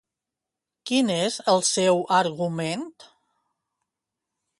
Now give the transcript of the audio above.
Quin és el seu argument?